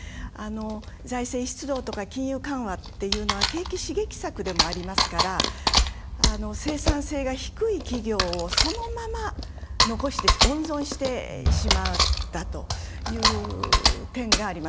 財政出動とか金融緩和っていうのは景気刺激策でもありますから生産性が低い企業をそのまま、温存してしまったという点があります。